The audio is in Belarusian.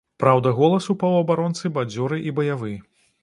Праўда, голас у паўабаронцы бадзёры і баявы.